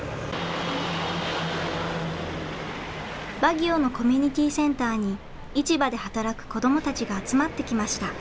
バギオのコミュニティーセンターに市場で働く子どもたちが集まってきました。